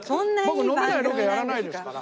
僕飲めないロケやらないですから。